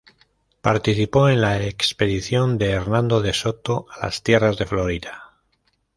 Participó en la expedición de Hernando de Soto a las tierras de Florida.